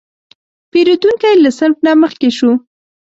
پیرودونکی له صف نه مخکې شو.